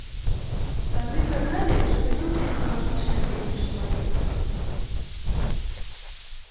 Тады казалі, што ён псіхалагічна дзіўны чалавек.